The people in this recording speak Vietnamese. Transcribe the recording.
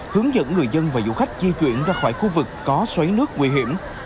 hướng dẫn người dân và du khách di chuyển ra khỏi khu vực có xoáy nước nguy hiểm